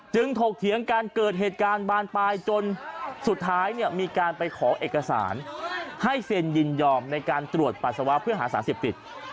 ถกเถียงการเกิดเหตุการณ์บานปลายจนสุดท้ายเนี่ยมีการไปขอเอกสารให้เซ็นยินยอมในการตรวจปัสสาวะเพื่อหาสารเสพติด